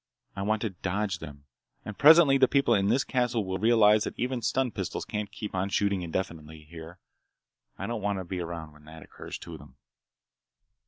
I want to dodge them. And presently the people in this castle will realize that even stun pistols can't keep on shooting indefinitely here. I don't want to be around when it occurs to them."